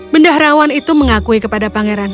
bendahrawan itu mengakui kepada pangeran